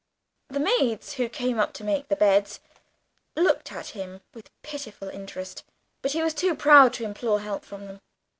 The maids who came up to make the beds looked at him with pitiful interest, but he was too proud to implore help from them.